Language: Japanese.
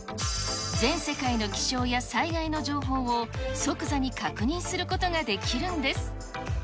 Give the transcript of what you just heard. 全世界の気象や災害の情報を、即座に確認することができるんです。